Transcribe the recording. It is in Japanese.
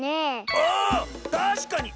あたしかに！